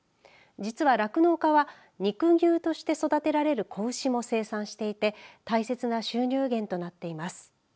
実は酪農家は肉牛として育てられる子牛も生産していて大切な収入源となっています。